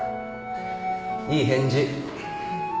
いい返事。